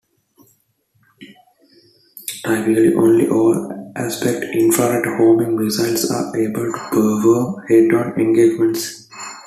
Typically only all-aspect infra-red homing missiles are able to perform head-on engagements.